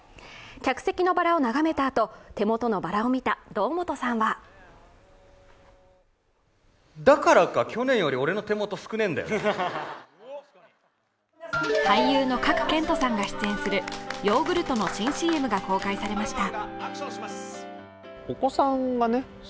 客席のバラを眺めたあと手元のバラを見た堂本さんは俳優の賀来賢人さんが出演するヨーグルトの新ＣＭが公開されました。